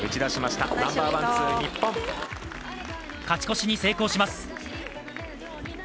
勝ち越しに成功します。